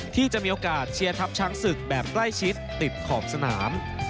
ที่จะมีโอกาสเชียร์ทัพช้างศึกแบบใกล้ชิดติดขอบสนาม